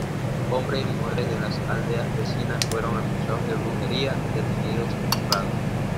Hombres y mujeres de las aldeas vecinas fueron acusados de brujería, detenidos y juzgados.